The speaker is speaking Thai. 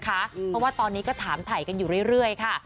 เพราะว่าตอนนี้ก็ถามถ่ายกันอยู่เรื่อยค่ะ